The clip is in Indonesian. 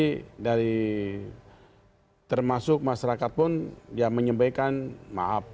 jadi dari termasuk masyarakat pun ya menyampaikan maaf